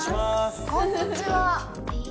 こんにちは。